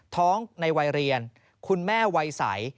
ท้องในวายเรียนคุณแม่ววายสัย